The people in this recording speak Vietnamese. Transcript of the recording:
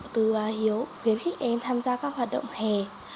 từ bà hiếu khuyến khích em tham gia các hoạt động hè